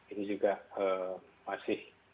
ini juga masih